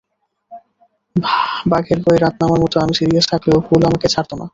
বাঘের ভয়ে রাত নামার মতো আমি সিরিয়াস থাকলেও ভুল আমাকে ছাড়তো না।